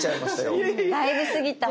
うんだいぶ過ぎた。